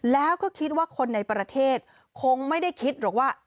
แล้วก็คิดว่าคนในประเทศคงไม่ได้คิดหรอกว่า